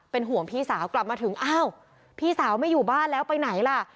ห่วงพี่สาวกลับมาถึงอ้าวพี่สาวไม่อยู่บ้านแล้วไปไหนล่ะ